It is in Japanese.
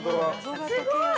◆すごい。